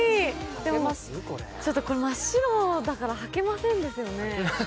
でもちょっと真っ白だから履けませんですよね。